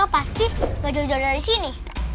pasti gak jauh jauh dari sini